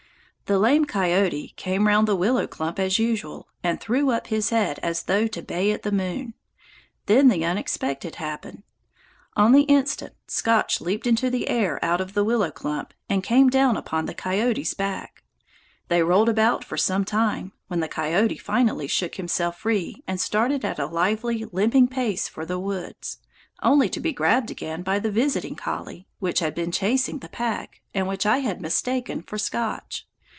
The lame coyote came round the willow clump as usual, and threw up his head as though to bay at the moon. Then the unexpected happened. On the instant, Scotch leaped into the air out of the willow clump, and came down upon the coyote's back! They rolled about for some time, when the coyote finally shook himself free and started at a lively limping pace for the woods, only to be grabbed again by the visiting collie, which had been chasing the pack, and which I had mistaken for Scotch.